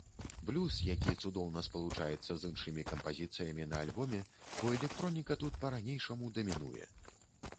Блюз, які цудоўна спалучаецца з іншымі кампазіцыямі на альбоме, бо электроніка тут па-ранейшаму дамінуе.